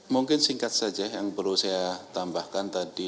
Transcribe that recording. mungkin singkat saja yang perlu saya tambahkan tadi